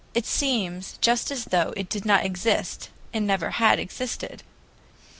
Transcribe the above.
It seems just as though it did not exist and never had existed.